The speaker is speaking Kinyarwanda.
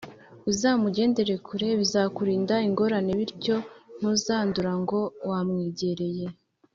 Uzamugendere kure, bizakurinda ingorane, bityo ntuzandura ngo wamwegereye.